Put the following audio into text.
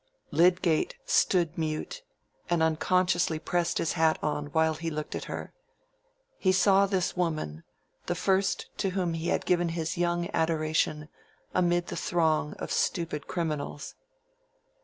_" Lydgate stood mute, and unconsciously pressed his hat on while he looked at her. He saw this woman—the first to whom he had given his young adoration—amid the throng of stupid criminals.